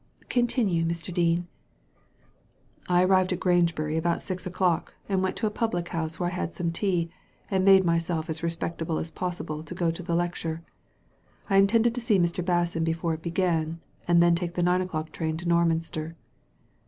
Continue, Mr. Dean 1 "" I arrived late in Grangebury, about six o'clock, and went to a public house, where I had some tea, and made myself as respectable as possible to go to the lecture. I intended to see Mr. Basson before it began, and then take the nine o'clock train to Norminster."